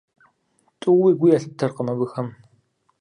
ТӀууи гу ялъыптэркъым абыхэм.